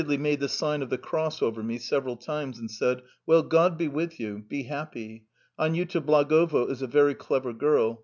She made the sign of the cross over me and said :" Well, God bless you. Be happy. Aniuta Blagovo is a very clever girl.